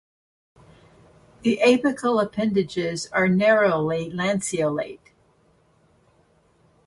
The apical appendages are narrowly lanceolate.